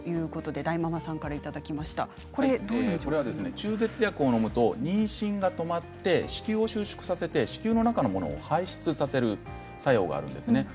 中絶薬をのむと妊娠が止まって子宮を収縮させて子宮の中のものを排出させる作用があるんです。